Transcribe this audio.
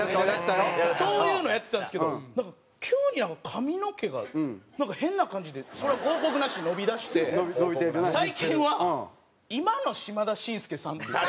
そういうのをやってたんですけど急に髪の毛が変な感じに報告なしに伸びだして最近は「今の島田紳助さん」っていう。